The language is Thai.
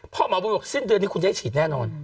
หมอบุญบอกสิ้นเดือนนี้คุณได้ฉีดแน่นอน